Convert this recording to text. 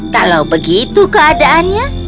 kalau begitu keadaannya